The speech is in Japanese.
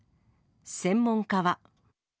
専門家は。